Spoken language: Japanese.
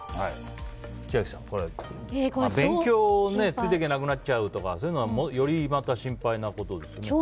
千秋さん勉強についていけなくなっちゃうというのはより、また心配なことですよね。